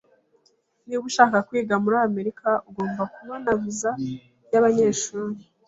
Niba ushaka kwiga muri Amerika, ugomba kubona viza yabanyeshuri.